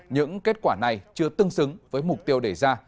những kết quả này chưa tương xứng với mục tiêu đề ra